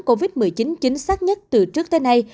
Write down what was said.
covid một mươi chín chính xác nhất từ trước tới nay